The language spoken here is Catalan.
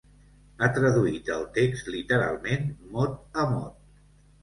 Ha traduït el text literalment, mot a mot.